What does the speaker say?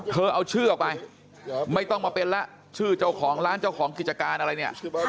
เอาชื่อออกไปไม่ต้องมาเป็นแล้วชื่อเจ้าของร้านเจ้าของกิจการอะไรเนี่ย